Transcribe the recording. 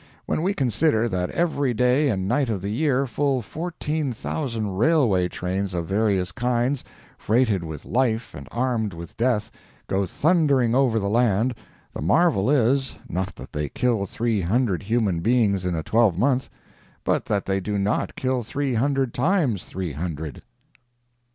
When we consider that every day and night of the year full fourteen thousand railway trains of various kinds, freighted with life and armed with death, go thundering over the land, the marvel is, not that they kill three hundred human beings in a twelvemonth, but that they do not kill three hundred times three hundred!